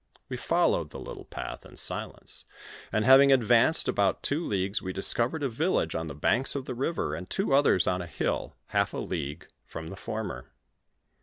We followed the little path in silence, and having advanced about two leagues, we discovered a village on the banks of the river, and two others on a hill, half a league from the former.